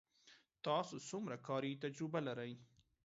تاسو څومره کاري تجربه لرئ